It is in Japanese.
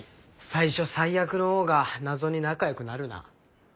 最初最悪の方が謎に仲よくなるな。